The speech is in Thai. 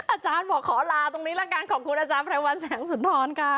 อาจารย์บอกขอลาตรงนี้ละกันขอบคุณอาจารย์ไพรวัลแสงสุนทรค่ะ